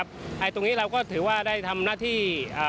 ตรงนี้เราก็ถือว่าได้ทำหน้าที่